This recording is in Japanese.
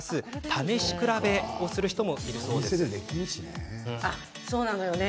試し比べをする人もいるそうです。